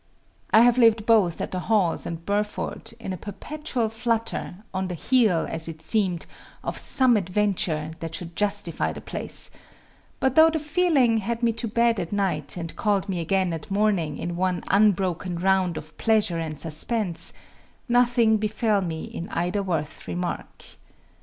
I have lived both at the Hawes and Burford in a perpetual flutter, on the heel, as it seemed, of some adventure that should justify the place; but though the feeling had me to bed at night and called me again at morning in one unbroken round of pleasure and suspense, nothing befell me in either worth remark.